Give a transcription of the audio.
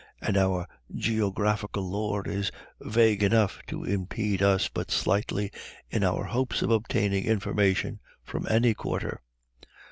And our geographical lore is vague enough to impede us but slightly in our hopes of obtaining information from any quarter.